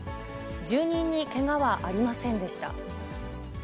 住人にけがはありませんでした。